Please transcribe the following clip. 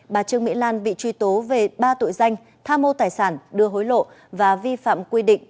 bà trương mỹ lan bị truy tố về ba tội danh tha mô tài sản đưa hối lộ và vi phạm quy định